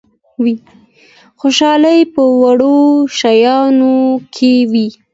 خوشحالي په وړو شیانو کي وي.